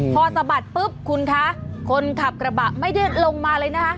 พอสะบัดปุ๊บคุณคะคนขับกระบะไม่ได้ลงมาเลยนะคะ